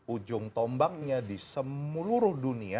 ujung tombaknya di seluruh dunia